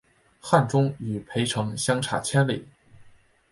汉中与涪城相差千里。